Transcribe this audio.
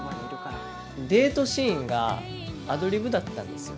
デートシーンがアドリブだったんですよ。